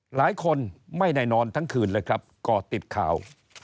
หลายคนไม่ได้นอนทั้งคืนเลยครับก่อติดข่าว